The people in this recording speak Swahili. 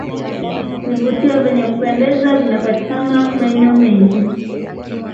vivutio vyenye kupendeza vinapatikana maeneo mengi